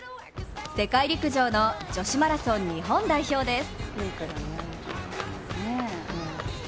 世界陸上の女子マラソン日本代表です。